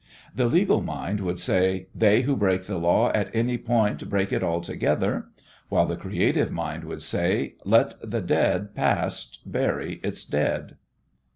The legal mind would say, "they who break the law at any point break it altogether," while the creative mind would say, "let the dead past bury its dead."